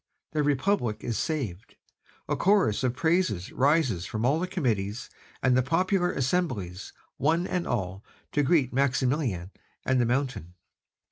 The Republic is saved; a chorus of praises rises from all the Committees and the popular assemblies one and all to greet Maximilien and the Mountain.